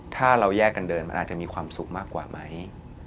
ถ้าเราแยกกันเดินมันอาจจะมีความสุขมากกว่าไหม